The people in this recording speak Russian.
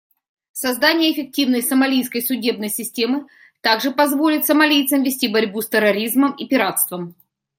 Создание эффективной сомалийской судебной системы также позволит сомалийцам вести борьбу с терроризмом и пиратством.